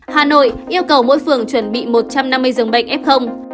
hà nội yêu cầu mỗi phường chuẩn bị một trăm năm mươi giường bệnh f